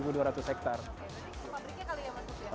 oke jadi pabriknya kalian masuk ya